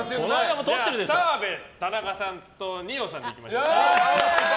澤部、田中さんと二葉さんでいきましょう。